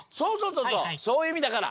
そうそうそういういみだから。